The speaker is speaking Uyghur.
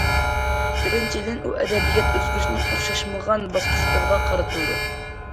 بىرىنچىدىن، ئۇ ئەدەبىيات ئۆزگىرىشىنىڭ ئوخشاشمىغان باسقۇچلىرىغا قارىتىلىدۇ.